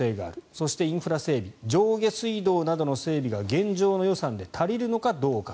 そしてインフラ整備上下水道などの整備が現状の予算で足りるのかどうか。